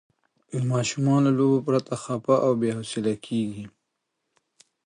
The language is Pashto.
ماشومان له لوبو پرته خفه او بې حوصله کېږي.